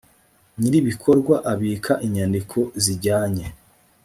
nyir ibikorwa abika inyandiko zijyanye